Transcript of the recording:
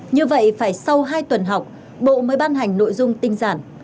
như vậy phải sau hai tuần học bộ mới ban hành nội dung tinh giản